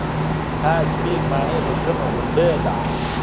تاج بیګ ماڼۍ په کومه غونډۍ ده؟